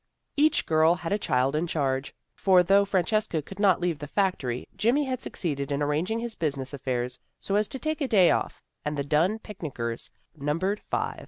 Each girl had a child in charge, for though Francesca could not leave the factory Jimmy had succeeded in arranging his business affairs so as to take a day off, and the Dunn picnickers numbered five.